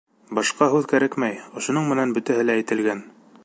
Башҡа һүҙ кәрәкмәй — ошоноң менән бөтәһе лә әйтелгән.